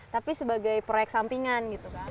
tapi sebagai proyek sampingan